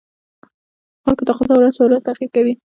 د خلکو تقاتضا ورځ په ورځ تغير کوي